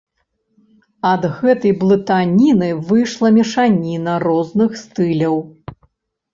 Ад гэтай блытаніны выйшла мешаніна розных стыляў.